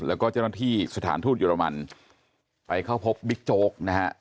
แล้วก็เจ้าหน้าที่สถานทูตเยอรมันไปเข้าพบบิ๊กโจ๊กนะฮะ